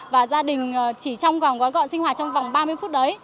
và gia đình chỉ trong vòng gói gọn sinh hoạt trong vòng ba mươi phút đấy